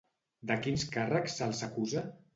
De quins càrrecs se'ls acusa?